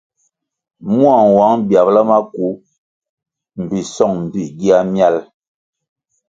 Mua nwang biabla maku mbpi song mbpí gia miál.